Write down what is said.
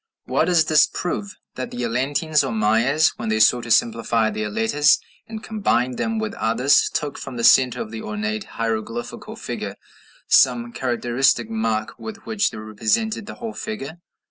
What does this prove? That the Atlanteans, or Mayas, when they sought to simplify their letters and combine them with others, took from the centre of the ornate hieroglyphical figure some characteristic mark with which they represented the whole figure.